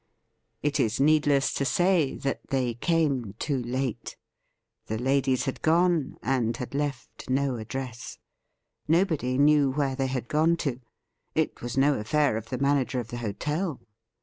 It is needless to say that they came too late. The ladies had gone, and had left no address. Nobody knew where they had gone to. It was no affair of the manager of the hotel.